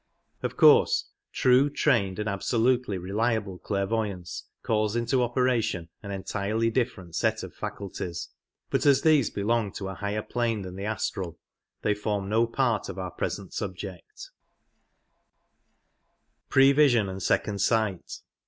Of course true, trained, and absolutely reliable clair voyance calls into operation an entirely different set of facul ties, but as these belong to a higher plane than the astral, they form no part of our present subject.